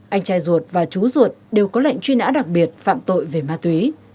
anh trai ruột và chú ruột đều có lệnh truy nã đặc biệt phạm tội về ma túy